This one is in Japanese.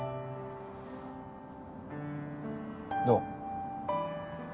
どう？